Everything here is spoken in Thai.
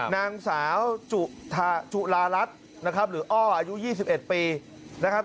นางสาวจุลารัสหรืออ้ออายุ๒๑ปี